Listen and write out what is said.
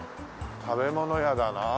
食べ物屋だな。